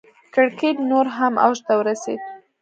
کړکېچ نور هم اوج ته ورسېد.